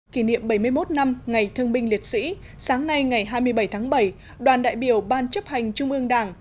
kỷ niệm bảy mươi một năm ngày thương binh liệt sĩ sáng nay ngày hai mươi bảy tháng bảy đoàn đại biểu ban chấp hành trung ương đảng